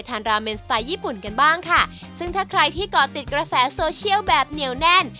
ราเมนสไตล์ญี่ปุ่นกันบ้างค่ะซึ่งถ้าใครที่ก่อติดกระแสโซเชียลแบบเหนียวแน่น